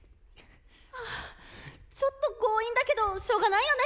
あぁちょっと強引だけどしょうがないよね。